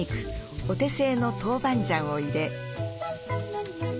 お手製の豆板醤を入れ。